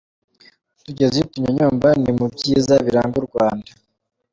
Utugezi tunyonyomba ni mu Byiza biranga u Rwanda.